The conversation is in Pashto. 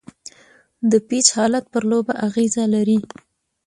د پيچ حالت پر لوبه اغېز لري.